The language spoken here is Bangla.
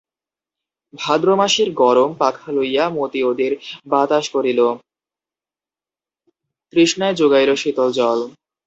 ভাদ্রমাসের গরম, পাখা লইয়া মতি ওদের বাতাস করিল, তৃষ্ণায় যোগাইল শীতল জল।